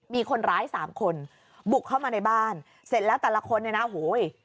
มีคนร้ายสามคนบุกเข้ามาในบ้านเสร็จแล้วแต่ละคนเนี่ยนะโหย